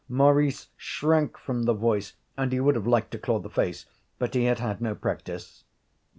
Maurice shrank from the voice, and he would have liked to claw the face, but he had had no practice.